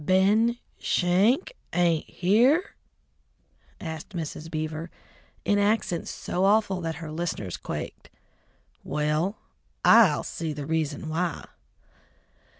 "Ben Schenk ain't here?" asked Mrs. Beaver in accents so awful that her listeners quaked. "Well, I'll see the reason why!"